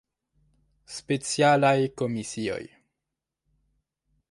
Specialaj Komisioj.